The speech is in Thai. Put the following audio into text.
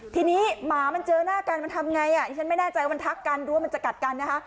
ทีนี้หมามันเจอหน้ากันมันทำไงอ่ะดิฉันไม่แน่ใจว่ามันทักกันหรือว่ามันจะกัดกันนะคะ